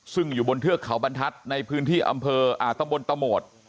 ซึ่งอยู่บนเทือกเขาบรรทัศน์ในพื้นที่อำเภอตำบลตะโหมด